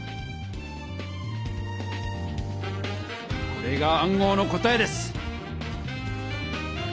これが暗号の答えです！